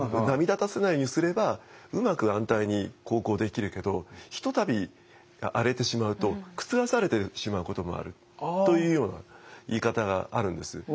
波立たせないようにすればうまく安泰に航行できるけどひとたび荒れてしまうと覆されてしまうこともあるというような言い方があるんです。